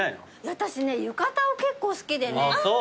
私ね浴衣を結構好きでね。